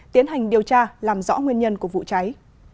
tiến hành điều tra làm rõ nguyên nhân của vụ cháy